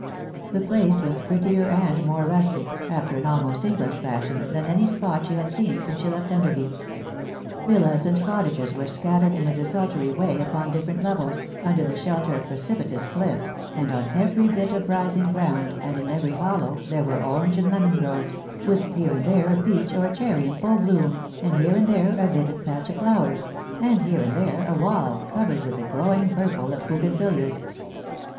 The place was prettier and more rustic, after an almost English fashion, than any spot she had seen since she left Enderby. Villas and cot tages were scattered in a desultory way upon different levels, under the shelter of precipitous cliffs, and on every bit of rising ground and in every hollow there were orange and lemon groves, with here and there a peach or a cherry in full bloom, and here and there a vivid patch of flowers, and here and there a wall covered with the glowing purple of the Bougainvilliers.